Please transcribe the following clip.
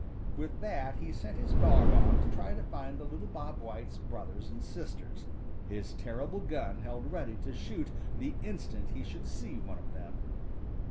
With that he sent his dog on to try to find the little Bob White's brothers and sisters, his terrible gun held ready to shoot the instant he should see one of them.